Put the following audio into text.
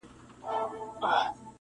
ستا په زلفو کي اثیر را سره خاندي,